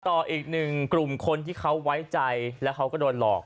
ต่ออีกหนึ่งกลุ่มคนที่เขาไว้ใจแล้วเขาก็โดนหลอก